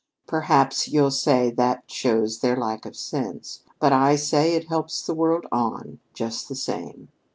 Perhaps you'll say that shows their lack of sense. But I say it helps the world on, just the same.